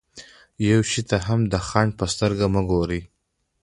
يوه شي ته هم د خنډ په سترګه مه ګورئ.